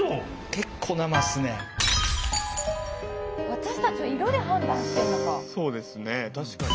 私たちは色で判断してるのか。